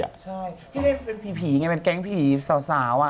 ใช่ที่เล่นเป็นผีเพียงไงเป็นแก๊งผลีสาวอ่ะ